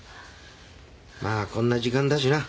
まあこんな時間だしな。